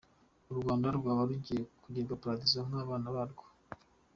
U Rwanda rwaba rugiye kugirwa paradizo n’abana barwo.